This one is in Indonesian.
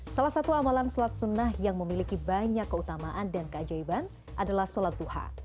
salah satu amalan sholat sunnah yang memiliki banyak keutamaan dan keajaiban adalah sholat duha